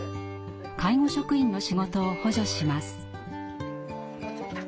介護職員の仕事を補助します。